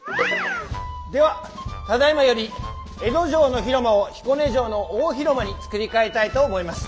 ではただいまより江戸城の広間を彦根城の大広間に作り替えたいと思います。